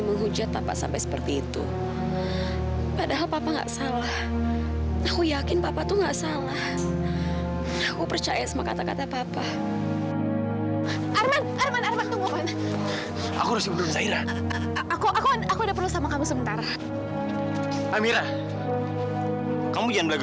banyak orang yang akan tidak menyokong